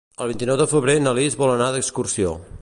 El vint-i-nou de febrer na Lis vol anar d'excursió.